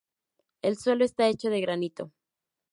El suelo está hecho de granito.